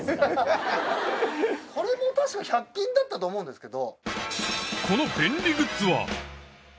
これも確か１００均だったと思うんですけど。